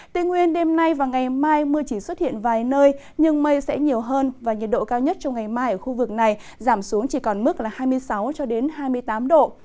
tây nguyên đêm nay và ngày mai mưa chỉ xuất hiện vài nơi nhưng mây sẽ nhiều hơn và nhiệt độ cao nhất trong ngày mai ở khu vực này giảm xuống chỉ còn mức là hai mươi sáu hai mươi tám độ